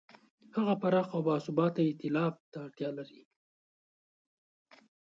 هغه پراخ او باثباته ایتلاف ته اړتیا لري.